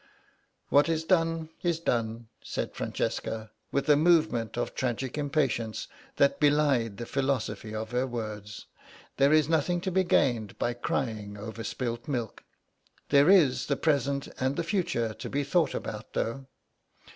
"What is done is done," said Francesca, with a movement of tragic impatience that belied the philosophy of her words; "there is nothing to be gained by crying over spilt milk. There is the present and the future to be thought about, though.